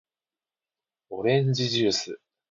おれんじじゅーす